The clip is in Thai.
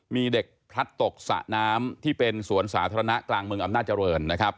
มีเด็กพลัดตกสระน้ำที่เป็นสวนสาธารณะกลางเมืองอำนาจริงนะครับ